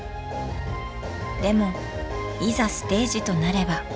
でもいざステージとなれば。